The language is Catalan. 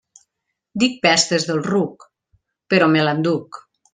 Dic pestes del ruc, però me l'enduc.